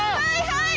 はい！